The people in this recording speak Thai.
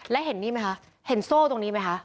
และเห็นนี่ไหมคะเห็นโซ่ตรงนี้ไหมคะ